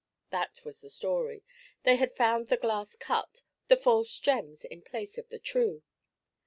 That was the story. They had found the glass cut, and false gems in place of the true.